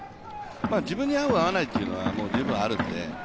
自分に合う、合わないというのは十分あるんで。